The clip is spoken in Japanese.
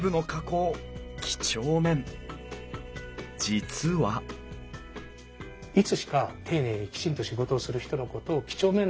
実はいつしか丁寧にきちんと仕事をする人のことを几帳面な人と。